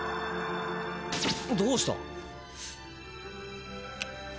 どうした？